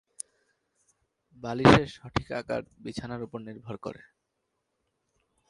বালিশের সঠিক আকার বিছানার উপর নির্ভর করে।